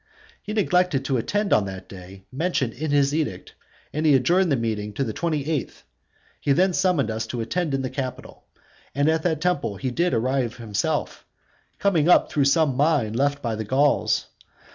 He neglected to attend on the day mentioned in his edict, and he adjourned the meeting to the twenty eighth. He then summoned us to attend in the Capitol, and at that temple he did arrive himself, coming up through some mine left by the Gauls.